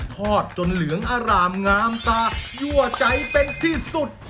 ทอดจนเหลืองอร่ามงามตายั่วใจเป็นที่สุด